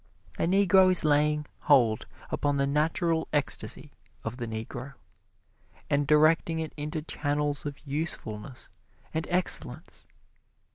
A Negro is laying hold upon the natural ecstasy of the Negro, and directing it into channels of usefulness and excellence.